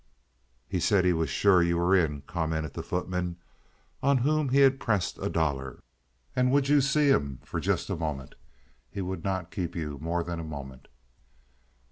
"He said he was sure you were in," commented the footman, on whom had been pressed a dollar, "and would you see him for just a moment? He would not keep you more than a moment."